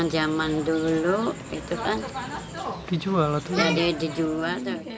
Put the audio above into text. jadi uang zaman dulu itu kan dijual